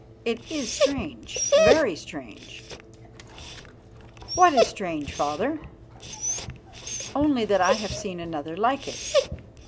It is strange, very strange!" "What is strange, Father?" "Only that I have seen another like it."